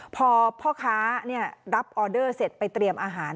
พอพ่อค้ารับออเดอร์เสร็จไปเตรียมอาหาร